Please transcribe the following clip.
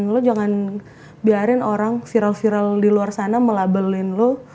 lo jangan biarin orang viral viral di luar sana melabelin lo